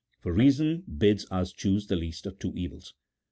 For reason bids us choose the least of two evils.